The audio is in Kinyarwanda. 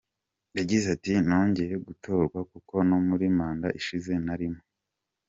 Yagize ati “Nongeye gutorwa kuko no muri manda ishize narimo.